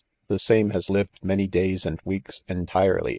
The same has lived many days and weeks entirely.